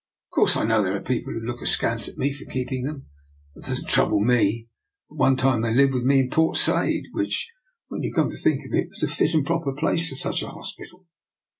Of course, I know there are people who look askance at me for keeping them; but that does not trouble me. At one time they lived with me in Port Said, which, when you come to think of it, is a fit and proper place for such a hospital.